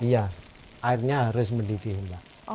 iya airnya harus mendidih mbak